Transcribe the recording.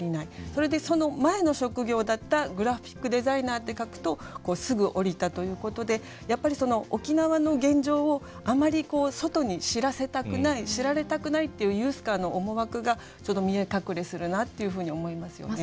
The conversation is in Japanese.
それでその前の職業だったグラフィックデザイナーって書くとすぐ下りたということでやっぱり沖縄の現状をあまり外に知らせたくない知られたくないっていうＵＳＣＡＲの思惑が見え隠れするなっていうふうに思いますよね。